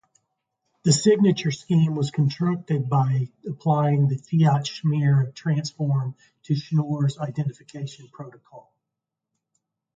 The signature scheme was constructed by applying the Fiat-Shamir transform to Schnorr's identification protocol.